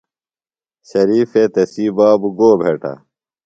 ݨ شریفے تسی بابوۡ گو بھٹہ؟